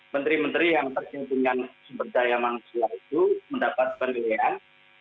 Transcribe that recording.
menteri menteri yang terkait dengan sumber daya manusia itu mendapat penilaian